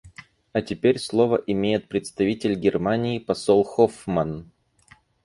А теперь слово имеет представитель Германии посол Хоффман.